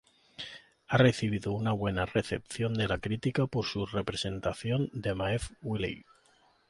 Ha recibido una buena recepción de la crítica por su representación de Maeve Wiley.